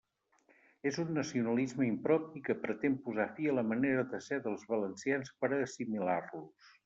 És un nacionalisme impropi que pretén posar fi a la manera de ser dels valencians per a assimilar-los.